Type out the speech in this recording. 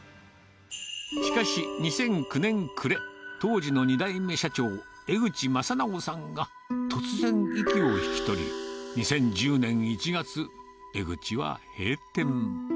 しかし、２００９年暮れ、当時の２代目社長、江口正直さんが突然息を引き取り、２０１０年１月、江ぐちは閉店。